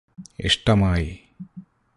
ഇഷ്ടമായി